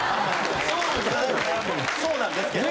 そうなんですね。